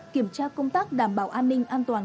kiểm tra công tác đảm bảo an ninh an toàn